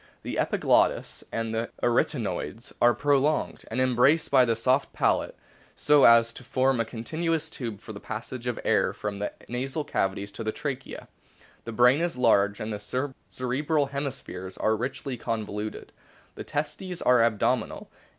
The epiglottis and the arytenoids are prolonged, and embraced by the soft palate, so as to form a continuous tube for the passage of the air from the nasal cavities to the trachea. The brain is large, and the cerebral hemispheres are richly con voluted. The testes are abdominal.